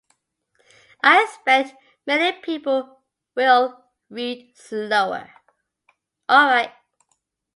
I expect many people will read slower